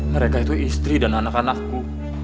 mereka itu istri dan anak anakku